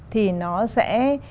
thì nó sẽ